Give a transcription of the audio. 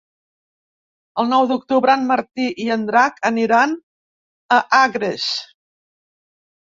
El nou d'octubre en Martí i en Drac aniran a Agres.